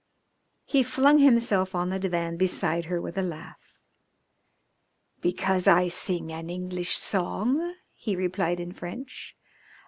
He flung himself on the divan beside her with a laugh. "Because I sing an English song?" he replied in French.